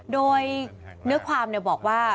โดยเนื้อความบอกว่า